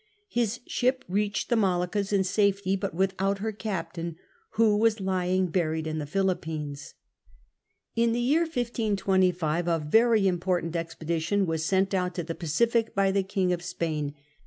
His ship reached the Moluccas in safety, but without her captain, who was lying buried in the Philippines. In the year 1525 a very important expedition was sent out to the Pacific by the King of Spain.